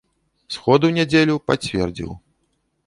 Сход у нядзелю пацвердзіў.